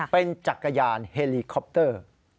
เป็นจักรยานเฮลีคอปเตอร์